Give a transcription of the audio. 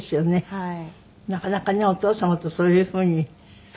はい。